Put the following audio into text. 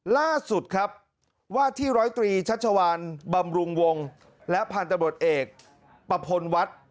ล่าสุดครับว่าที่ร้อยตรีชัชวานบำรุงวงและพันธบทเอกประพลวัฒน์